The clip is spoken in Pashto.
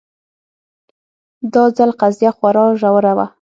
دا ځل قضیه خورا ژوره وه